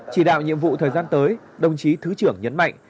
chỉ đạo nhiệm vụ thời gian tới đồng chí thứ trưởng nhấn mạnh